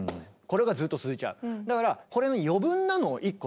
これがずっと続いちゃう。